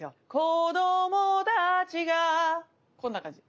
こどもたぁちがぁこんな感じ。